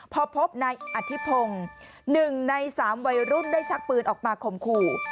พอพบนายอธิพงศ์๑ใน๓วัยรุ่นได้ชักปืนออกมาข่มขู่